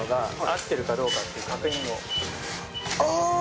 あ！